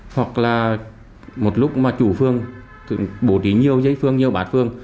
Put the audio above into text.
hoặc là một lúc mà chủ phương bổ trí nhiều giấy phương nhiều bát phương